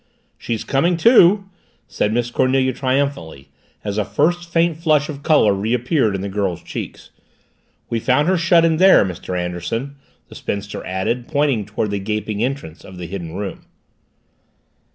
"She's coming to " said Miss Cornelia triumphantly, as a first faint flush of color reappeared in the girl's cheeks. "We found her shut in there, Mr. Anderson," the spinster added, pointing toward the gaping entrance of the Hidden Room.